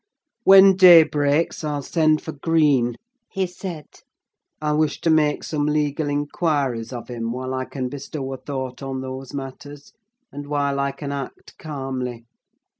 "When day breaks I'll send for Green," he said; "I wish to make some legal inquiries of him while I can bestow a thought on those matters, and while I can act calmly.